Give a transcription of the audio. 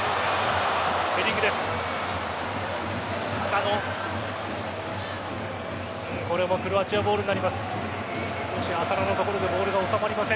ヘディングです。